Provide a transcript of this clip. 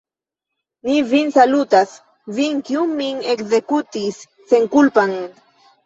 Mi vin salutas, vin, kiu min ekzekutis senkulpan!